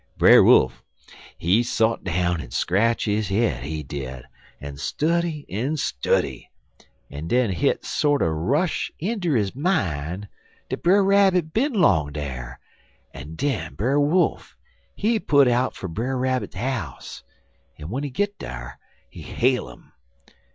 "Brer Wolf, he sot down en scratch his head, he did, en study en study, en den hit sorter rush inter his mine dat Brer Rabbit bin 'long dar, en den Brer Wolf, he put out fer Brer Rabbit house, en w'en he git dar he hail 'im.